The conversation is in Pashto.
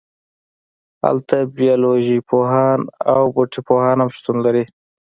هلته بیالوژی پوهان او بوټي پوهان هم شتون لري